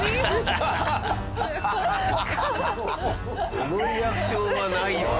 このリアクションはないよね。